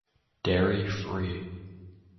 Dairy free.